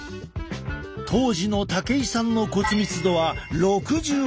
当時の武井さんの骨密度は６８％。